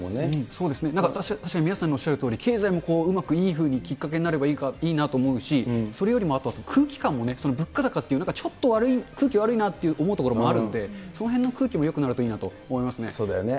そうですね、確かに皆さんのおっしゃるとおり、経済もうまくいいふうにきっかけになればいいなと思うし、それよりもあとは、空気感もね、物価高っていう、なんかちょっと悪い、空気悪いなと思うところもあるんで、そのへんの空気もよくなるとそうだよね。